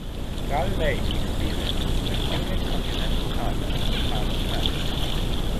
Gull Lake Experiences a Humid Continental climate on climate maps.